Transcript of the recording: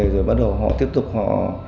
rồi bắt đầu họ tiếp tục họ